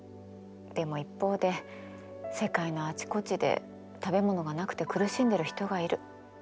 でも一方で世界のあちこちで食べ物がなくて苦しんでる人がいる。